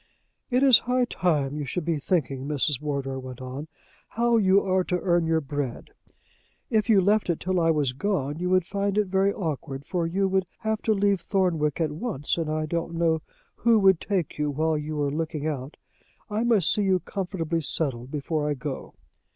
"It is high time you should be thinking," Mrs. Wardour went on, "how you are to earn your bread. If you left it till I was gone, you would find it very awkward, for you would have to leave Thornwick at once, and I don't know who would take you while you were looking out. I must see you comfortably settled before I go."